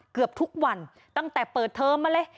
เกือบทุกวันตั้งแต่เปิดเทอมมาเลย